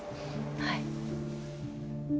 はい。